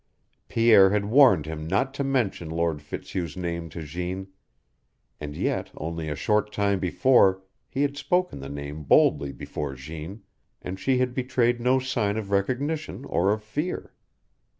Pierre had warned him not to mention Lord Fitzhugh's name to Jeanne, and yet only a short time before he had spoken the name boldly before Jeanne, and she had betrayed no sign of recognition or of fear.